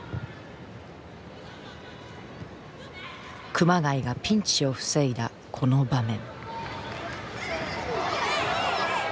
熊谷がピンチを防いだこの場面。